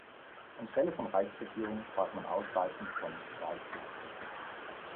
Anstelle von Reichsregierung sprach man ausweichend von „Reichsleitung“.